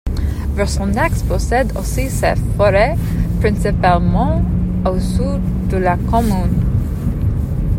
Versonnex possède aussi ses forêts, principalement au sud de la commune.